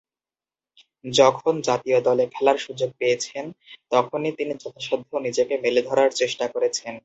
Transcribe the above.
যখন জাতীয় দলে খেলার সুযোগ পেয়েছেন, তখনি তিনি যথাসাধ্য নিজেকে মেলে ধরার চেষ্টা করেছেন।